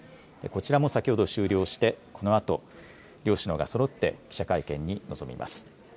こちらも先ほど終了して、このあと両首脳がそろって記者会見に臨みます。